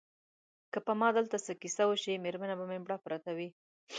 که په ما دلته څه کیسه وشي مېرمنه به مې مړه پرته وي.